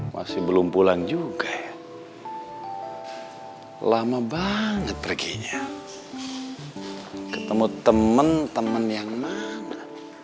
masih belum pulang juga ya lama banget perginya ketemu temen temen yang mana